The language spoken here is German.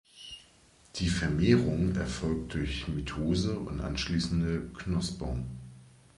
Die Vermehrung erfolgt durch Mitose und anschließende Knospung.